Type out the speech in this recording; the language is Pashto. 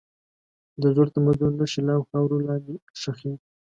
د زوړ تمدن نښې لا هم خاورو لاندې ښخي دي.